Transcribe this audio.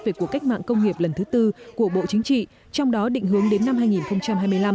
về cuộc cách mạng công nghiệp lần thứ tư của bộ chính trị trong đó định hướng đến năm hai nghìn hai mươi năm